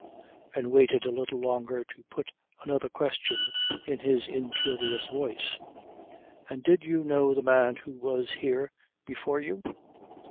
and waited a little longer to put another question in his incurious voice. "And did you know the man who was here before you?"